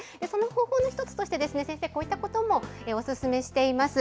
その方法の一つとして、先生、こういったこともお勧めしています。